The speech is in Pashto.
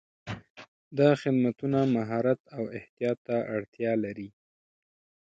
دغه خدمتونه مهارت او احتیاط ته اړتیا لري.